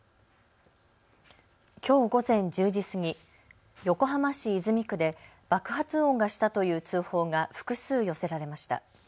きょう午前１０時過ぎ、横浜市泉区で爆発音がしたという通報が複数寄せられました。